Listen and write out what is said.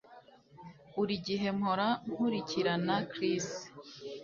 Buri gihe mpora nkurikirana Chris